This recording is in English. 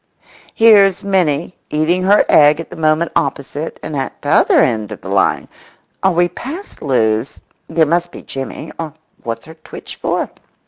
Here's Minnie eating her egg at the moment opposite and at t'other end of the line—are we past Lewes?—there must be Jimmy—or what's her twitch for?